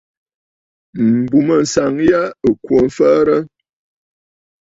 M̀bùmânsaŋ yâ ɨ̀ kwo mfəərə.